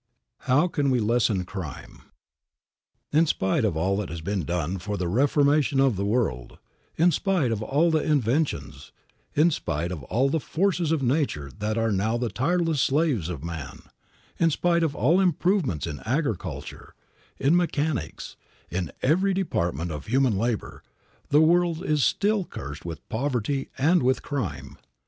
IV. HOW CAN WE LESSEN CRIME? IN spite of all that has been done for the reformation of the world, in spite of all the inventions, in spite of all the forces of nature that are now the tireless slaves of man, in spite of all improvements in agriculture, in mechanics, in every department of human labor, the world is still cursed with poverty and with crime.